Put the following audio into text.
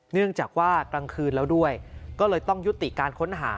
เนื่องจากว่ากลางคืนแล้วด้วยก็เลยต้องยุติการค้นหา